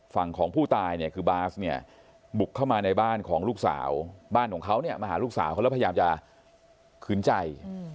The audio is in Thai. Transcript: ฝั่งของผู้ตายเนี่ยคือบาสเนี่ยบุกเข้ามาในบ้านของลูกสาวบ้านของเขาเนี่ยมาหาลูกสาวเขาแล้วพยายามจะขืนใจ